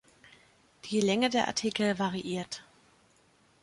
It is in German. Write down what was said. Die Länge der Artikel variiert.